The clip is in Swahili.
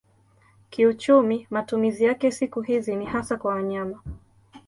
Kiuchumi matumizi yake siku hizi ni hasa kwa nyama.